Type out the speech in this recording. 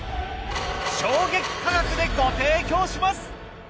衝撃価格でご提供します！